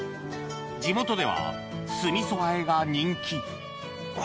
地元では酢味噌和えが人気うわ